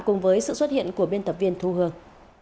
cùng với sự xuất hiện của biên tập viên thu hương